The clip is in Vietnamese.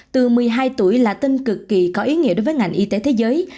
từ một mươi hai tuổi là tin cực kỳ có ý nghĩa đối với ngành y tế thế giới